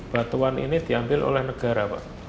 batuan ini diambil oleh negara pak